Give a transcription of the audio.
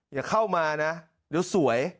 อย่าเข้ามานะเดี๋ยวสวย